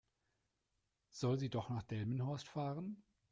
Soll sie doch nach Delmenhorst fahren?